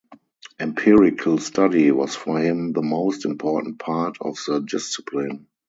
Empirical study was for him the most important part of the discipline.